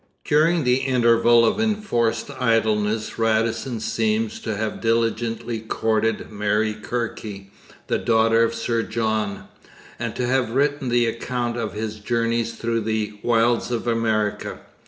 During the interval of enforced idleness Radisson seems to have diligently courted Mary Kirke, the daughter of Sir John, and to have written the account of his journeys through the wilds of America.